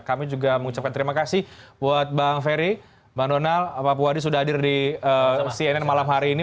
kami juga mengucapkan terima kasih buat bang ferry bang donal pak puwadi sudah hadir di cnn malam hari ini